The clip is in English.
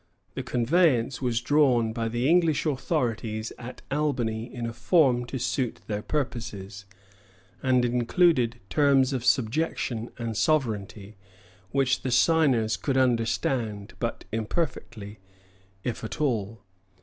The conveyance was drawn by the English authorities at Albany in a form to suit their purposes, and included terms of subjection and sovereignty which the signers could understand but imperfectly, if at all.